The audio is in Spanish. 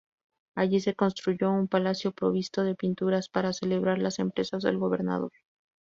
Allí se construyó un palacio provisto de pinturas para celebrar las empresas del gobernador.